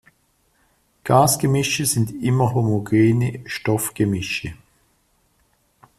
Gasgemische sind immer homogene Stoffgemische.